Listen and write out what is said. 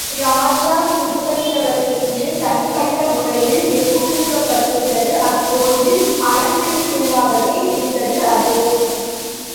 ராஜ குடும்பத்தவர்க்கென்று தனிப்பட்ட முறையில் நிர்மாணிக்கப்பட்டிருந்தது அக்கோயில், அரண்மனைக்குள்ளாகவே இருந்தது அது.